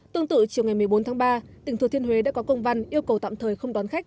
tương tự chiều ngày một mươi bốn tháng ba tỉnh thừa thiên huế đã có công văn yêu cầu tạm thời không đón khách